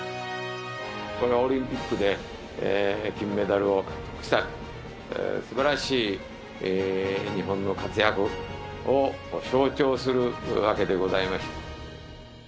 このオリンピックで金メダルを獲得した、すばらしい日本の活躍を象徴するわけでございまして。